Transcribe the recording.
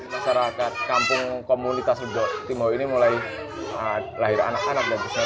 mas syarikath kampung komunitas ledok timoho ini mulai lahir anak anak ds empowermentour h n tetna